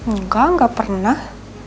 enggak enggak pernah